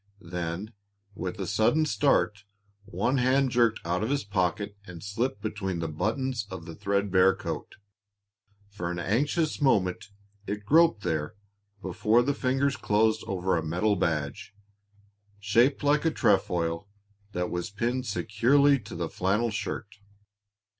Then, with a sudden start, one hand jerked out of his pocket and slipped between the buttons of the thread bare coat. For an anxious moment it groped there before the fingers closed over a metal badge, shaped like a trefoil, that was pinned securely to the flannel shirt.